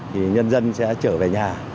thì nhân dân sẽ trở về nhà